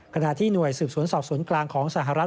ขณะที่หน่วยสืบสวนสอบสวนกลางของสหรัฐ